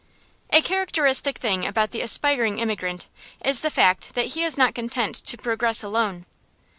A characteristic thing about the aspiring immigrant is the fact that he is not content to progress alone.